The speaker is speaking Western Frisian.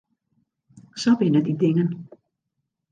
Sa binne dy dingen.